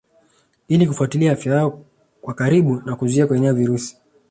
Ili kufuatilia afya yao kwa karibu na kuzuia kueneza virusi